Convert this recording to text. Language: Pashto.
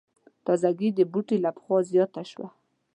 تازګي د بوټو له پخوا زیاته شوه.